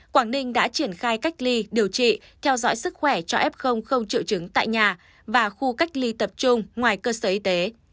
quảng ninh đã triển khai cách ly điều trị theo dõi sức khỏe cho f không triệu chứng tại nhà và khu cách ly tập trung ngoài cơ sở y tế